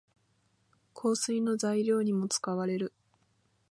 香水の材料にも使われる。